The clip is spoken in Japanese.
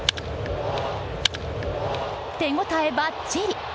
手応えばっちり。